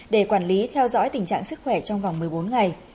để quản lý theo dõi tình trạng sức khỏe trong vòng một mươi bốn ngày